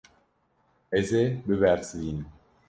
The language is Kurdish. Ez ê bibersivînim.